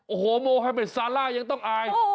โอ้โหโมไฮเมดซาร่ายังต้องอาย